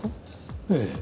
ええ。